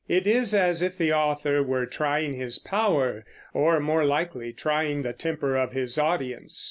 It is as if the author were trying his power, or more likely trying the temper of his audience.